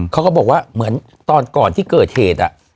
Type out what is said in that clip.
เขาก็บอกว่าเหมือนตอนก่อนที่เกิดเหตุ